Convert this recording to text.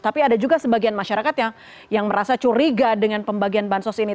tapi ada juga sebagian masyarakat yang merasa curiga dengan pembagian bansos ini